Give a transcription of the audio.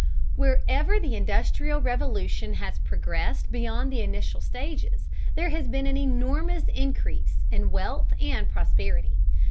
Wherever the Industrial Revolution has progressed beyond the initial stages, there has been an enormous increase in wealth and prosperity.